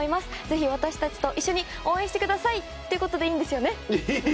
ぜひ私たちと一緒に応援してください。ということでいいんですよね？